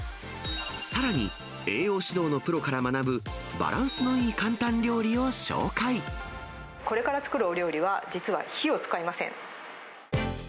さらに、栄養指導のプロから学ぶ、これから作るお料理は、実は、火を使いません。